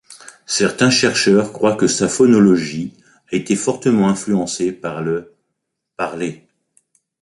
Certains chercheurs croient que sa phonologie a été fortement influencée par l' parlé.